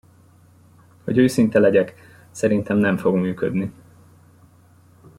Hogy őszinte legyek, szerintem nem fog működni.